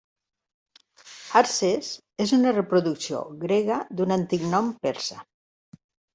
Arses és una reproducció grega d'un antic nom persa.